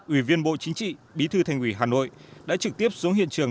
ủy viên bộ chính trị bí thư thành ủy hà nội đã trực tiếp xuống hiện trường